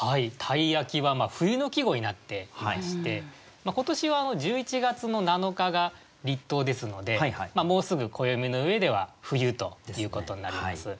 「鯛焼」は冬の季語になっていまして今年は１１月の７日が立冬ですのでもうすぐ暦の上では冬ということになります。